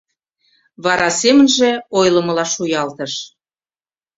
Вара семынже ойлымыла шуялтыш: